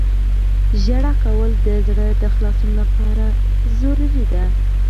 • ژړا کول د زړه د خلاصون لپاره ضروري ده.